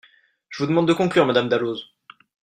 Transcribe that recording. Je vous demande de conclure, madame Dalloz.